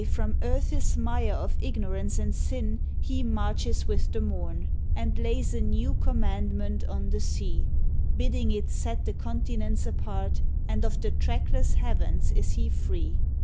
from Earth s mire of ignorance and sin He marches with the morn, And lays a new commandment on the sea, Bidding it set the continents apart, And of the trackless heavens is he free.